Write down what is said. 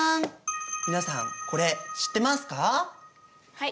はい。